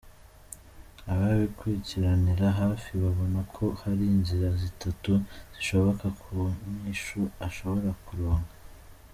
Ababikurikiranira hafi babona ko hari inzira zitatu zishoboka ku nyishu ashobora kuronka.